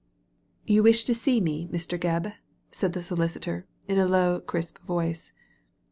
" You wish to see me, Mr. Gebb ?" said the solicitor, in a low crisp voice.